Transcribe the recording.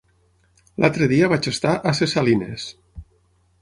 L'altre dia vaig estar a Ses Salines.